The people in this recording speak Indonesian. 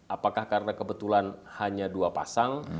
apakah karena kebetulan hanya dua pasang